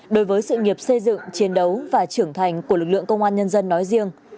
đối với sự nghiệp xây dựng chiến đấu và trưởng thành của lực lượng công an nhân dân nói riêng